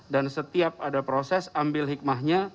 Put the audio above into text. dan setiap ada prosesnya kita harus mencari kegiatan yang lebih baik